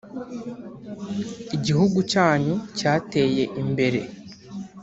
Igihugu cyanyu cyateye imbere